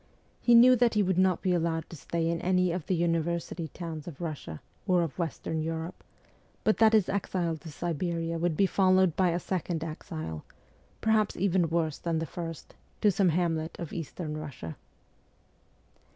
He knew that he would not be allowed to stay in any of the university towns of Russia or of Western Europe, but that his exile to Siberia would be followed by a second exile, perhaps even worse than the first, to some hamlet of Eastern Russia.